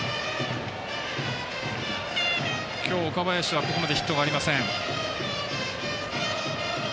今日、岡林はここまでヒットがありません。